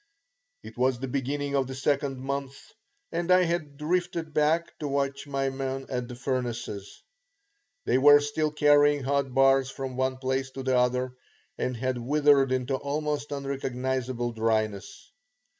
It was the beginning of the second month and I had drifted back to watch my men at the furnaces. They were still carrying hot bars from one place to the other and had withered into almost unrecognizable dryness.